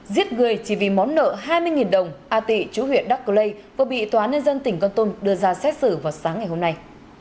giết người chỉ vì món nợ hai mươi đồng a tị chú huyện đắc cơ lây vừa bị tòa án nhân dân tỉnh con tôn đưa ra xét xử vào sáng ngày hôm nay